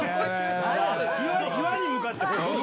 岩に向かってこう。